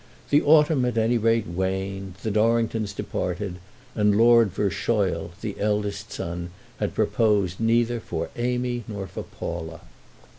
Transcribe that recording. The autumn at any rate waned, the Dorringtons departed, and Lord Verschoyle, the eldest son, had proposed neither for Amy nor for Paula.